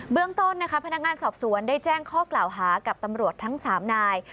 เรื่องต้นนะคะพนักงานสอบสวนได้แจ้งข้อกล่าวหากับตำรวจทั้ง๓นาย